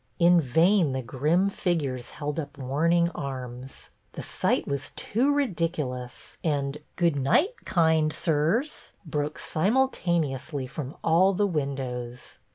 In vain the grim figures held up warning arms. The sight was too ridiculous, and " Good night, kind sirs !" broke simultaneously from all the windows.